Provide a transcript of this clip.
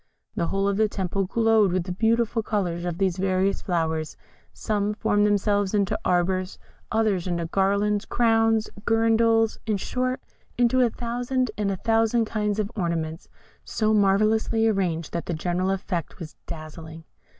The whole of the temple glowed with the beautiful colours of these various flowers; some formed themselves into arbours, others into garlands, crowns, girandoles, in short, into a thousand and a thousand kinds of ornaments, so marvellously arranged that the general effect was dazzling.